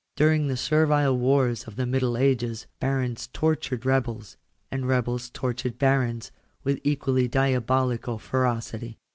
During the servile wars of the middle ages, barons tortured rebels, and rebels tortured barons, with equally diabolical ferocity.